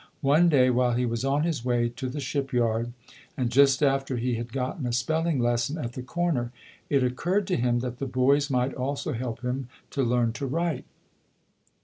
One day while he was on his way to the shipyard, and just after he had gotten a spelling lesson at the corner, it occurred to him that the boys might also help him to learn to write.